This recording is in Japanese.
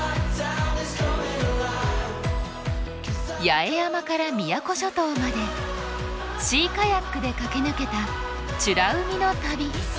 八重山から宮古諸島までシーカヤックで駆け抜けた美ら海の旅。